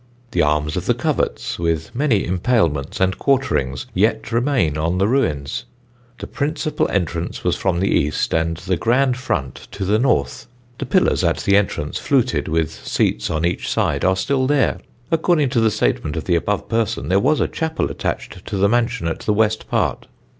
The arms of the Coverts, with many impalements and quarterings, yet remain on the ruins. The principal entrance was from the east, and the grand front to the north. The pillars at the entrance, fluted, with seats on each side, are still there. According to the statement of the above person, there was a chapel attached to the mansion at the west part.